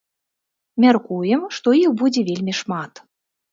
Мяркуем, што іх будзе вельмі шмат.